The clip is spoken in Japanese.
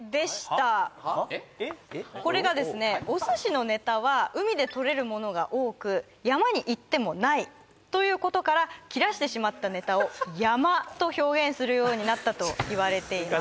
これがですねお寿司のネタは海でとれるものが多く山に行ってもないということから切らしてしまったネタを「ヤマ」と表現するようになったといわれています